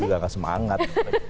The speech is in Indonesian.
ini juga nge semangat